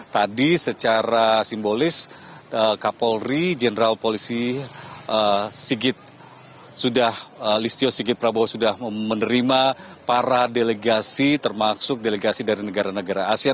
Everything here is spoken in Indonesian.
tadi secara simbolis kapolri jenderal polisi listio sigit prabowo sudah menerima para delegasi termasuk delegasi dari negara negara asean